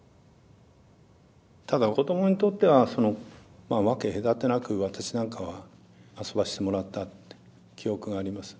ただ子どもにとっては分け隔てなく私なんかは遊ばせてもらったって記憶があります。